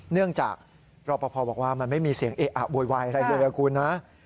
เนื่องจากรอปภบอกว่ามันไม่มีเสียงเอะอะโวยวายอะไรเลยนะคุณนะ